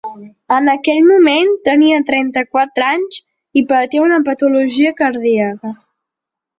En aquell moment tenia trenta-quatre anys i patia una patologia cardíaca.